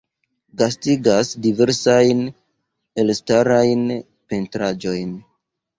Gastigas diversajn elstarajn pentraĵojn.